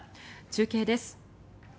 中継です。